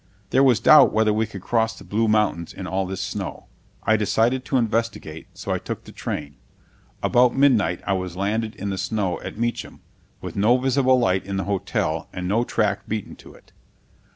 There was doubt whether we could cross the Blue Mountains in all this snow. I decided to investigate; so I took the train. About midnight I was landed in the snow at Meacham, with no visible light in the hotel and no track beaten to it.